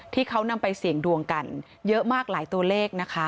ที่เขานำไปเสี่ยงดวงกันเยอะมากหลายตัวเลขนะคะ